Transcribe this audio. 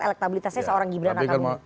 elektabilitasnya seorang gibran raka buming